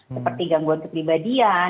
seperti gangguan kepribadian